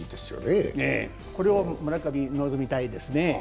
これを村上に望みたいですね。